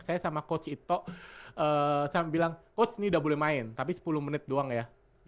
saya sama coach itu bilang coach ini udah boleh main tapi sepuluh menit doang ya